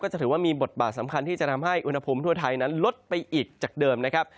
จะถือว่ามีบทบาทสำคัญที่จะทำให้อุณหภูมิทั่วไทยนั้นลดไปอีกจากเดิมนะครับ